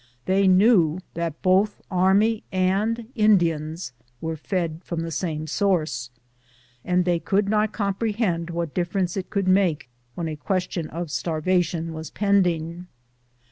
They knew that both army and Indians were fed from the same source, and they could not comprehend what difference it could make when a question of starvation was pending.